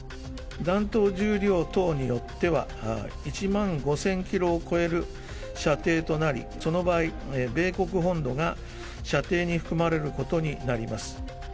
弾頭重量等によっては、１万５０００キロを超える射程となり、その場合、米国本土が射程に含まれることになります。